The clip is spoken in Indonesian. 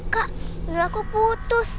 kak dela aku putus